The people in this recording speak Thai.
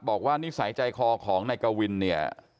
นิสัยใจคอของนายกวินเนี่ย